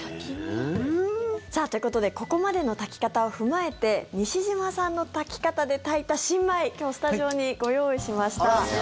ということでここまでの炊き方を踏まえて西島さんの炊き方で炊いた新米今日スタジオにご用意しました。